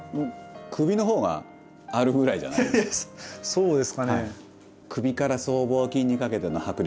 そうですかね。